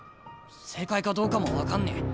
正解かどうかも分かんねえ。